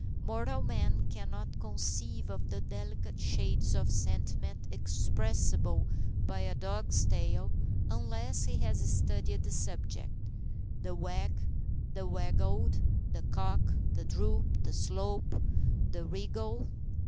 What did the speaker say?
Mortal man cannot conceive of the delicate shades of sentiment expressible by a dog's tail, unless he has studied the subject the wag, the waggle, the cock, the droop, the slope, the wriggle!